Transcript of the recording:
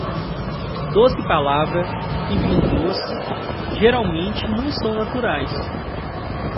Doce palavra e vinho doce geralmente não são naturais.